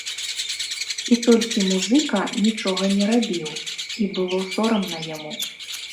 І толькі музыка нічога не рабіў, і было сорамна яму.